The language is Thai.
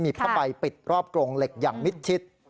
มีผ้าใบปิดรอบกรงเหล็กอย่างมิดชิด